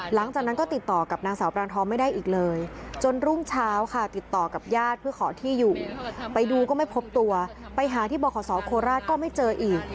หลังจากนั้นก็ติดต่อกับนางสาวปรางทองไม่ได้อีกเลยจนรุ่งเช้าค่ะติดต่อกับญาติเพื่อขอที่อยู่ไปดูก็ไม่พบตัวไปหาที่บขศโคราชก็ไม่เจออีก